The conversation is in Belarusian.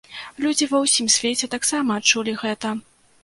Людзі ва ўсім свеце таксама адчулі гэта.